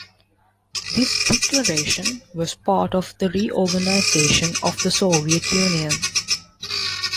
This declaration was part of the reorganization of the Soviet Union.